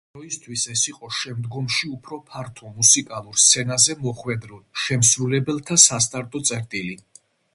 იმ დროისთვის ეს იყო შემდგომში უფრო ფართო მუსიკალურ სცენაზე მოხვედრილ შემსრულებელთა სასტარტო წერტილი.